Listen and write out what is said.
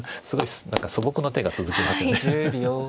すごい何か素朴な手が続きますよね。